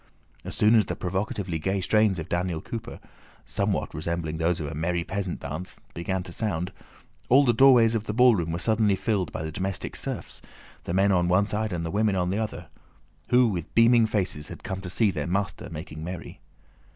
As soon as the provocatively gay strains of Daniel Cooper (somewhat resembling those of a merry peasant dance) began to sound, all the doorways of the ballroom were suddenly filled by the domestic serfs—the men on one side and the women on the other—who with beaming faces had come to see their master making merry.